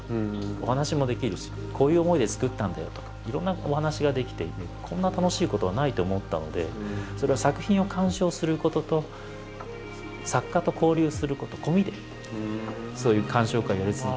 お話もできるし「こういう思いでつくったんだよ」とかいろんなお話ができてこんな楽しいことはないって思ったのでそれは作品を鑑賞することと作家と交流すること込みでそういう鑑賞会をやり続けて。